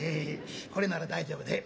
これなら大丈夫で。